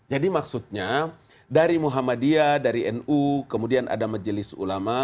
jadi maksudnya dari muhammadiyah dari nu kemudian ada majelis ulama